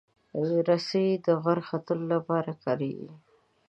رسۍ د غر ختلو لپاره کارېږي.